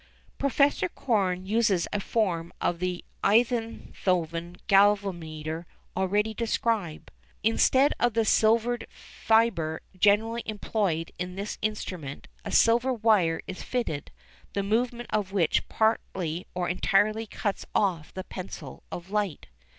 Professor Korn uses a form of the Einthoven galvanometer already described. Instead of the silvered fibre generally employed in this instrument, a silver wire is fitted, the movement of which partly or entirely cuts off the pencil of light.